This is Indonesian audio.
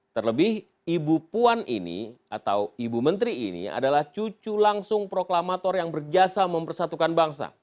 terlebih ibu puan ini atau ibu menteri ini adalah cucu langsung proklamator yang berjasa mempersatukan bangsa